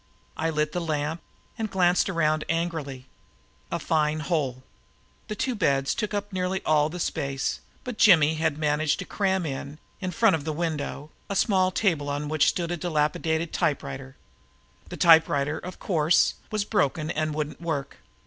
I lit the lamp and glanced around angrily. A fine hole! The two beds took up nearly all the space but Jimmy had managed to cram in, in front of the window, a small table on which stood his dilapidated typewriter. The typewriter, of course, was broken and wouldn't work.